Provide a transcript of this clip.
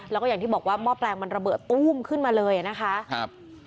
แล้วก็อย่างที่บอกว่าหม้อแปลงมันระเบิดตู้มขึ้นมาเลยนะคะครับ